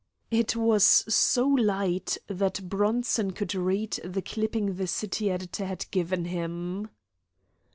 It was so light that Bronson could read the clipping the city editor had given him.